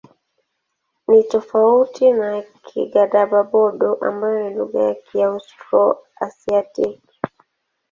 Ni tofauti na Kigadaba-Bodo ambayo ni lugha ya Kiaustro-Asiatiki.